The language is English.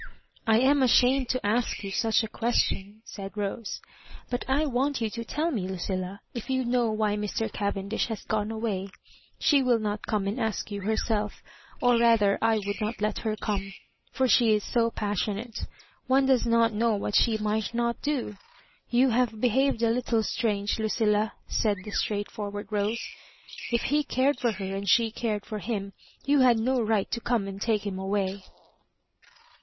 " I am ashamed to ask yon such a question," said Rose; "but I want you to tell me, Lucilla, if you know why Mr. Cavendish has gone away. She will not come and ask you herself, or rather I would not let her come ; for she is so passionate, one does not know what she might not do. You have behaved a little strange, Lucilla," said the straightforward Rose. " If he cared for her, and she cared for him, you had no right to come and take him away."